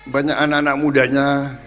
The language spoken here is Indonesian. banyak anak anak mudanya